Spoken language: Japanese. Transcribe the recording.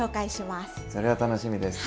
それは楽しみです。